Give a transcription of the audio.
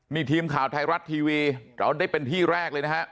นี่ทีมข่าวไทยรัฐทีวีเราได้เป็นที่แรกเลยนะฮะ